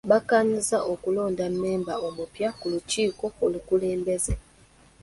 Bakkaanyizza okulonda mmemba omupya ku lukiiko olukulembeze.